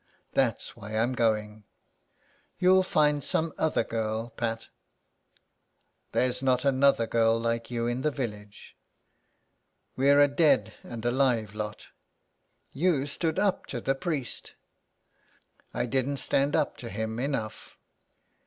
That's why I'm going. You'll find some other girl, Pat." There's not another girl like you in the village. We're a dead and alive lot. You stood up to the priest." *' I didn't stand up to him enough.